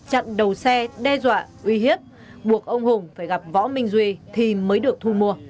chặn đầu xe đe dọa uy hiếp buộc ông hùng phải gặp võ minh duy thì mới được thu mua